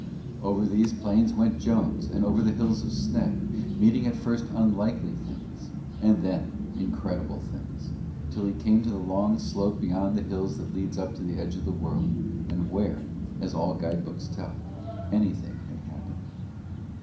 Over these plains went Jones and over the Hills of Sneg, meeting at first unlikely things, and then incredible things, till he came to the long slope beyond the hills that leads up to the Edge of the World, and where, as all guidebooks tell, anything may happen.